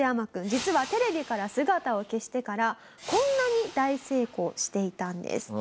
実はテレビから姿を消してからこんなに大成功していたんです。